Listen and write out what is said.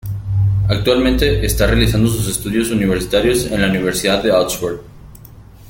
Actualmente está realizando sus estudios universitarios en la Universidad de Oxford.